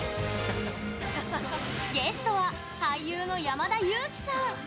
ゲストは俳優の山田裕貴さん。